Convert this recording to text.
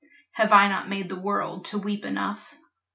Have I not made the world to weep enough?